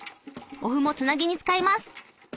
お麩もつなぎに使います。